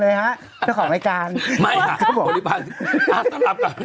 เลยฮะที่ของรายการไม่ค่ะครับผมอ้าวขอสลับกับนะครับอย่าง